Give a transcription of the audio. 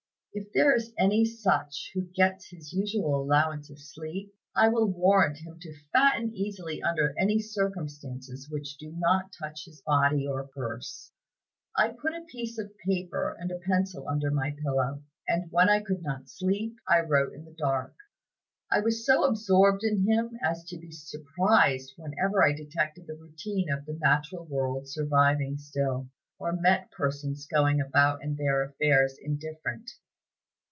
If there is any such who gets his usual allowance of sleep, I will warrant him to fatten easily under any circumstances which do not touch his body or purse. I put a piece of paper and a pencil under my pillow, and when I could not sleep, I wrote in the dark. I was so absorbed in him as to be surprised whenever I detected the routine of the natural world surviving still, or met persons going about their affairs indifferent."